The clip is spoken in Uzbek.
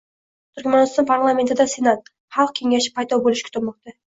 Turkmaniston parlamentida "senat" - Xalq Kengashi paydo bo'lishi kutilmoqda